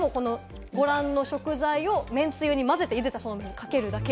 ご覧の食材をめんつゆに混ぜて、そうめんにかけるだけ。